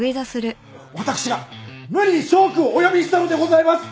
私が無理に翔君をお呼びしたのでございます！